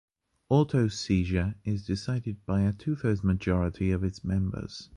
Auto-seizure is decided by a two-thirds majority of its members.